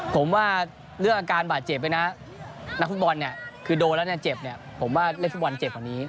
ผมว่าเรื่องอาการบาดเจ็บไปนะนักฟุตบอลคือโดนแล้วเจ็บผมว่าเล่นฟุตบอลเจ็บกว่านี้